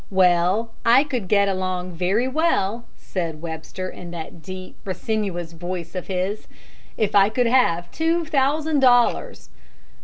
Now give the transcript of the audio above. "Well, I could get along very well," said Webster, in that deep, resinous voice of his, "if I could have two thousand dollars."